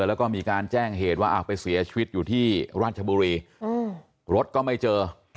แล้วก็มีการแจ้งเหตุว่าไปเสียชีวิตอยู่ที่ราชบุรีรถก็ไม่เจอ